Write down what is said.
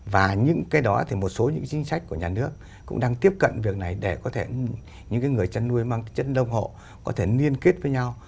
và những cái đó thì một số những chính sách của nhà nước cũng đang tiếp cận việc này để có thể những người chăn nuôi mang chất đông hộ có thể liên kết với nhau